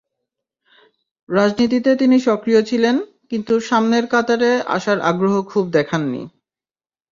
রাজনীতিতে তিনি সক্রিয় ছিলেন, কিন্তু সামনের কাতারে আসার আগ্রহ খুব দেখাননি।